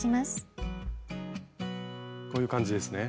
こういう感じですね？